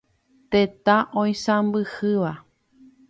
Tetã oisãmbyhýva.